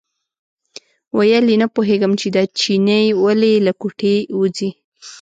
ویل یې نه پوهېږم چې دا چینی ولې له کوټې وځي.